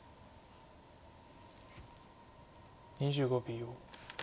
２５秒。